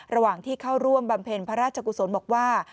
ระหว่างที่เข้าร่วมบำเพ็ญพระราชกุศลบอกว่า